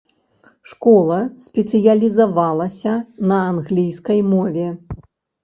Школа спецыялізавалася на англійскай мове.